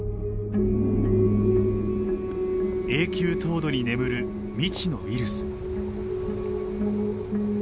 永久凍土に眠る未知のウイルス。